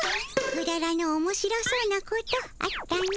くだらぬおもしろそうなことあったの。